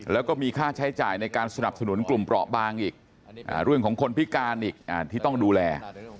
แล้วก็มีค่าใช้จ่ายในการสนับสนุนกลุ่มเปราะบางอีกเรื่องของคนพิการอีกที่ต้องดูแล